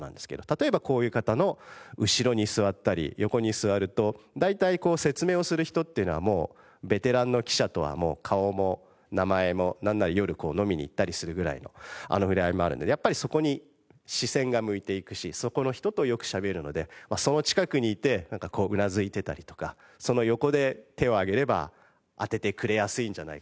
例えばこういう方の後ろに座ったり横に座ると大体こう説明をする人っていうのはもうベテランの記者とはもう顔も名前もなんなら夜飲みに行ったりするぐらいの触れ合いもあるのでやっぱりそこに視線が向いていくしそこの人とよくしゃべるのでその近くにいてこううなずいてたりとかその横で手を挙げれば当ててくれやすいんじゃないかとか。